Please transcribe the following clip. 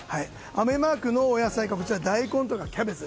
雨マークのお野菜が大根とかキャベツ。